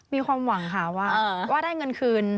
มีความหวังค่ะว่าได้เงินคืน